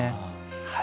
はい。